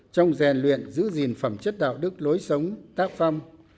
trong rèn luyện giữ gìn phẩm chất đạo đức lối sống tác phong